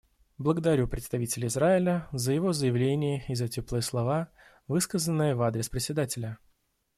Благодарю представителя Израиля за его заявление и за теплые слова, высказанные в адрес Председателя.